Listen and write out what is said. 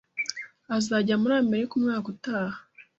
Azajya muri Amerika umwaka utaha?